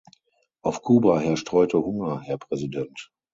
Auf Kuba herrscht heute Hunger, Herr Präsident.